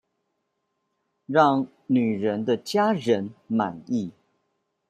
讓女人的家人滿意